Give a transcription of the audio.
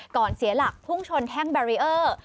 เสียหลักพุ่งชนแท่งแบรีเออร์